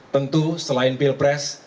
tentu selain pilpres